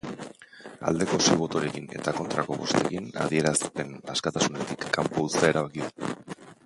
Aldeko sei botorekin eta kontrako bostekin, adierazpen askatasunetik kanpo uztea erabaki du.